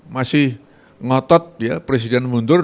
masih ngotot ya presiden mundur